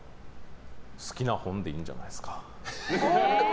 好きな本でいいんじゃないですか。